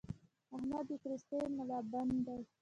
احمد د کراستې ملابند دی؛